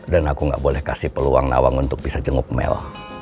dan aku gak boleh kasih peluang nawang untuk bisa jenguk mel